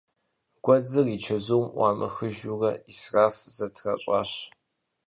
Гуэдзыр и чэзум ӏуамыхыжурэ ӏисраф зэтращӏащ.